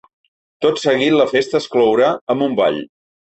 Tot seguit, la festa es clourà amb un ball.